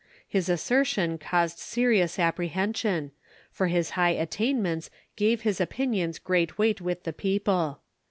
His assertion caused serious apprehension, for his high attainments gave his opinions great weight with the people.